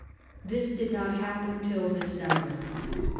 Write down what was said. This did not happen till December.